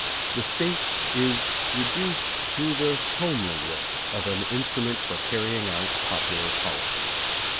The State is reduced to the homely work of an instrument for carrying out popular policies.